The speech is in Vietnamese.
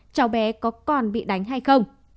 cháu bé có còn bị đánh hay không